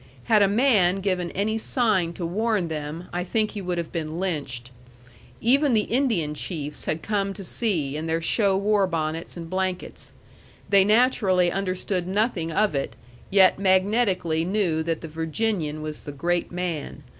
Had a man given any sign to warn them, I think he would have been lynched. Even the Indian chiefs had come to see in their show war bonnets and blankets. They naturally understood nothing of it, yet magnetically knew that the Virginian was the great man.